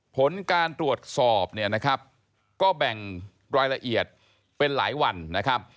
ผลการตรวจสอบเนี่ยนะครับก็แบ่งรายละเอียดเป็นหลายวันนะครับ